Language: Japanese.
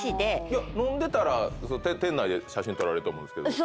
飲んでたら店内で写真撮られると思うんですけど。